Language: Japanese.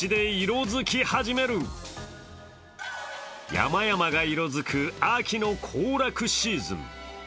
山々が色づく秋の行楽シーズン。